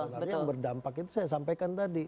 sebenarnya yang berdampak itu saya sampaikan tadi